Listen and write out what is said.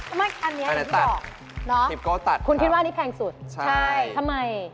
ไม่อันนี้อย่างที่บอกเนาะคุณคิดว่าอันนี้แพงสุดใช่ทำไม